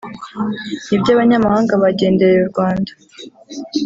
nibyo abanyamahanga bagendereye u Rwanda